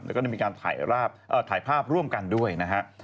แล้วก็ได้มีการถ่ายภาพร่วมกันด้วยนะฮะ